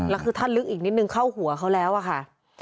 แล้วคือถ้าลึกอีกนิดนึงเข้าหัวเขาแล้วอะค่ะ